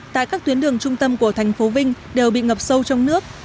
tại các tuyến đường trung tâm của thành phố vinh đều bị ngập sâu trong nước